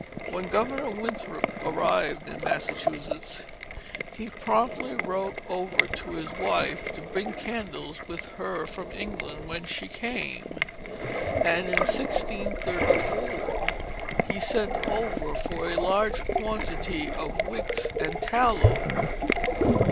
When Governor Winthrop arrived in Massachusetts, he promptly wrote over to his wife to bring candles with her from England when she came. And in 1634 he sent over for a large quantity of wicks and tallow.